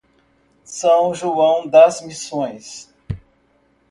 São João das Missões